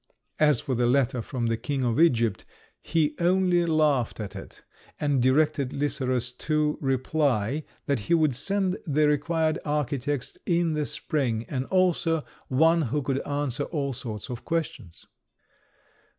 As for the letter from the King of Egypt, he only laughed at it, and directed Lycerus to reply that he would send the required architects in the spring, and also one who could answer all sorts of questions.